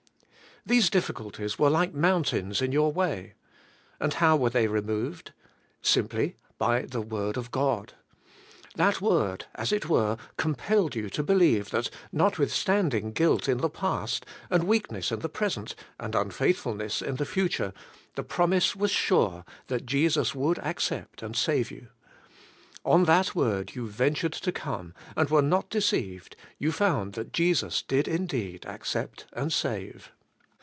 These difficulties were like mountains in your way. And how were they removed? Simply by the word of God. That word, as it were, com pelled you to believe that, notwithstanding guilt in the past, and weakness in the present, and unfaith fulness in the future, the promise was sure that Jesus would accept and save you. On that word you ven tured to come, and were not deceived: you found that Jesus did indeed accept and save.